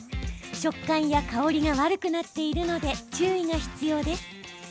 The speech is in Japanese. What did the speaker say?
食感や香りが悪くなっているので注意が必要です。